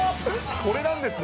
これなんですね。